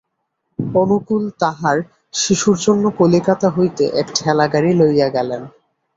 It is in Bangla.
অনুকূল তাঁহার শিশুর জন্য কলিকাতা হইতে এক ঠেলাগাড়ি লইয়া গেলেন।